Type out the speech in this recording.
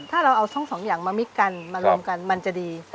ถ้าเราเอาทั้งสองอย่างมามิดกันมารวมกันมันจะดี